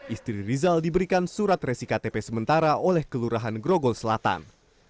istri rizal diberikan surat resik tp sementara oleh kelurahan grogol selatan